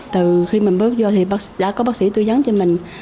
từ khi mình bước vô thì bác đã có bác sĩ tư vấn cho mình